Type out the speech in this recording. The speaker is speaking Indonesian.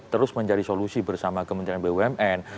terus mencari solusi bersama kementerian bumn